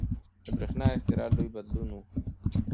• د برېښنا اختراع لوی بدلون و.